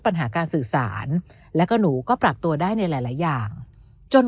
ปัญหาการสื่อสารแล้วก็หนูก็ปรับตัวได้ในหลายอย่างจน